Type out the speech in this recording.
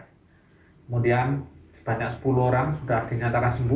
kemudian sebanyak sepuluh orang sudah dinyatakan sembuh